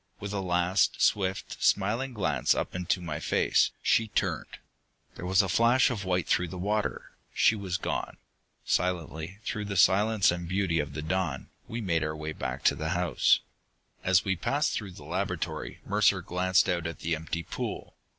With a last swift, smiling glance up into my face, she turned. There was a flash of white through the water. She was gone.... Silently, through the silence and beauty of the dawn, we made our way back to the house. As we passed through the laboratory, Mercer glanced out at the empty pool.